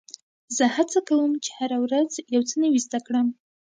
زه هڅه کوم، چي هره ورځ یو څه نوی زده کړم.